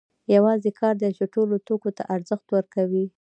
یوازې کار دی چې ټولو توکو ته ارزښت ورکوي